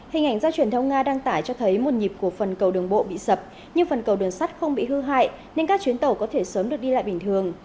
hình ảnh ra truyền thông nga đăng tải cho thấy một nhịp của phần cầu đường bộ bị sập nhưng phần cầu đường sắt không bị hư hại nên các chuyến tàu có thể sớm được đi lại bình thường